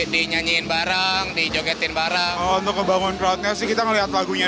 di nyanyiin barang di jogetin barang untuk kebangunan rakyatnya sih kita melihat lagunya